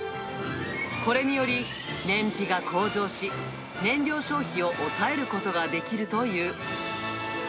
これにより、燃費が向上し、燃料消費を抑えることができるという。